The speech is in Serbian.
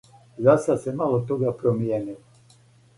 Засад се мало тога промијенило.